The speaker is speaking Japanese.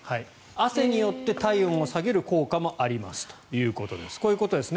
汗によって体温を下げる効果もありますということです。